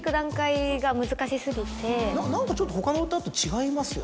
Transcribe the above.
何かちょっと他の歌と違いますよね？